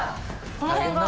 この辺が。